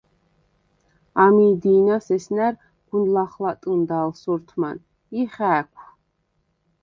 ამი̄ დი̄ნას ესნა̈რ გუნ ლახლატჷნდა ალ სორთმან ი ხა̄̈ქუ̂: